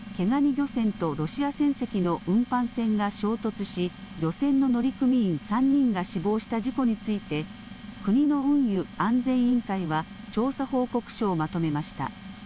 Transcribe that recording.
漁船とロシア船籍の運搬船が衝突し漁船の乗組員３人が死亡した事故について国の運輸安全委員会は調査報告書をまとめました。